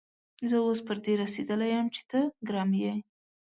زه اوس پر دې رسېدلی يم چې ته ګرم يې.